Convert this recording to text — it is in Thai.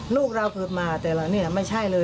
ลูกเราเกิดมาแต่นี่ไม่ใช่เลย